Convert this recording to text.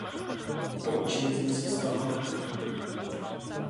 Poučili jsme se z toho?